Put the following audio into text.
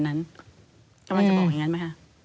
กำลังจะบอกอย่างนั้นไหมคะ